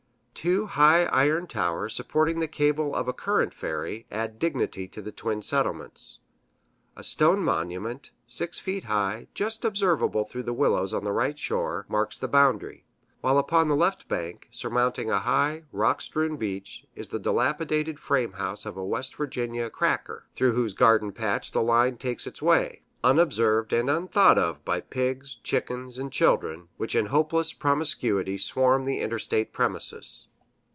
Two high iron towers supporting the cable of a current ferry add dignity to the twin settlements. A stone monument, six feet high, just observable through the willows on the right shore, marks the boundary; while upon the left bank, surmounting a high, rock strewn beach, is the dilapidated frame house of a West Virginia "cracker," through whose garden patch the line takes its way, unobserved and unthought of by pigs, chickens and children, which in hopeless promiscuity swarm the interstate premises.